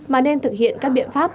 mà nên thực hiện các biện pháp